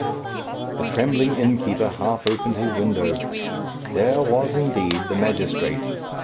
The trembling innkeeper half opened his window. There was, indeed, the magistrate.